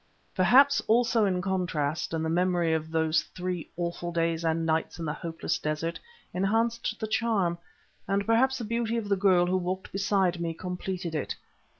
Perhaps also the contrast, and the memory of those three awful days and nights in the hopeless desert, enhanced the charm, and perhaps the beauty of the girl who walked beside me completed it.